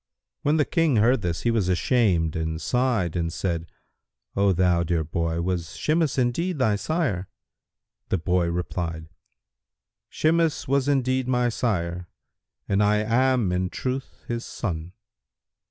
When the King heard this, he was ashamed and sighed and said, "O thou dear boy, was Shimas indeed thy sire?" The boy replied, "Shimas was indeed my sire, and I am in truth his son."